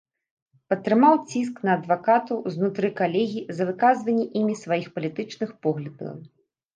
Падтрымаў ціск на адвакатаў знутры калегій за выказванне імі сваіх палітычных поглядаў.